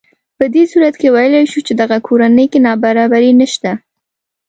په دې صورت کې ویلی شو چې دغه کورنۍ کې نابرابري نهشته